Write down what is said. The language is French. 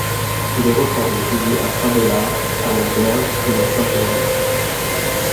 Les retables dédiés à saint Mélar, à la Vierge ou à saint Hervé.